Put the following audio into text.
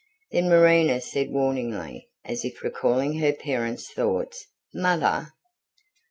Then Marina said warningly, as if recalling her parent's thoughts: "Mother!"